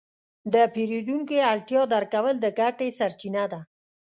د پیرودونکي اړتیا درک کول د ګټې سرچینه ده.